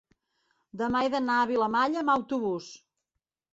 demà he d'anar a Vilamalla amb autobús.